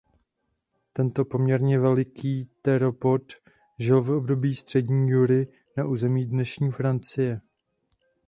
Tento poměrně velký teropod žil v období střední jury na území dnešní Francie.